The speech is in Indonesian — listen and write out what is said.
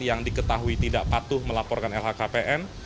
yang diketahui tidak patuh melaporkan lhkpn